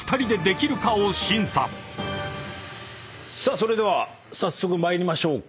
それでは早速参りましょうか。